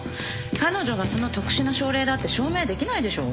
彼女がその特殊な症例だって証明できないでしょ？